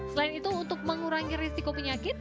selain itu untuk mengurangi risiko penyakit